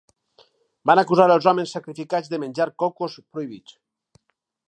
Van acusar els homes sacrificats de menjar cocos prohibits.